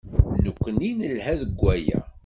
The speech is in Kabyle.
Nekkni nelha deg waya.